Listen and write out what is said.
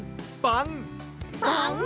「ばん、」。